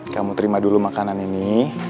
kamu terima dulu makanan ini